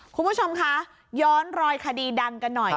คุณผู้ชมคะย้อนรอยคดีดังกันหน่อย